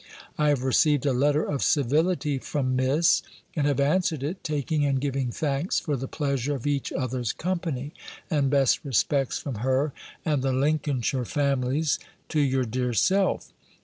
I have received a letter of civility from Miss, and have answered it, taking and giving thanks for the pleasure of each other's company, and best respects from her, and the Lincolnshire families, to your dear self.